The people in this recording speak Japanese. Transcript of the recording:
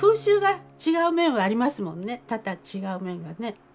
多々違う面がね。